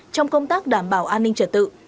trong công tác đảm bảo an ninh trật tự